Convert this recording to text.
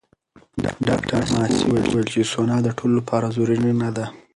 ډاکټره ماسي وویل چې سونا د ټولو لپاره ضروري نه ده.